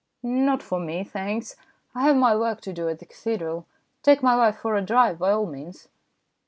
" Not for me, thanks. I have my work to do at the cathedral. Take my wife for a drive, by all means."